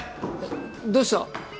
どうした？